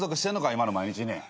今の毎日に。